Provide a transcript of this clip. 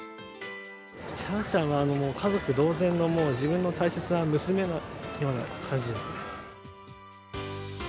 シャンシャンは家族同然の、自分の大切な娘のような感じです。